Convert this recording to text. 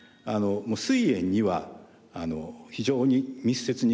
すい炎には非常に密接に関わってます。